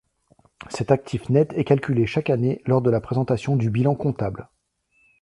Cet actif net est calculé chaque année lors de la présentation du bilan comptable.